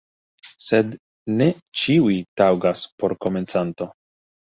Sed ne ĉiuj taŭgas por komencanto.